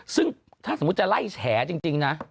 ซึ่งถ้าสมมุติจะไล่แฉจริงนะ